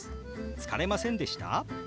「疲れませんでした？」。